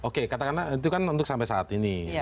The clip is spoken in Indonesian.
oke katakanlah itu kan untuk sampai saat ini